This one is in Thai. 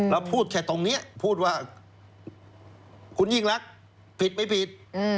พูดแค่ตรงนี้พูดว่าคุณยิ่งรักผิดไม่ผิด